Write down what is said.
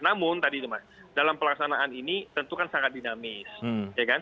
namun dalam pelaksanaan ini tentu kan sangat dinamis